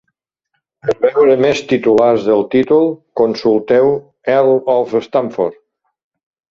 Per veure més titulars del títol, consulteu "Earl of Stamford"